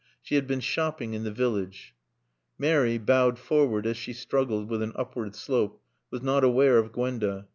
She had been shopping in the village. Mary, bowed forward as she struggled with an upward slope, was not aware of Gwenda.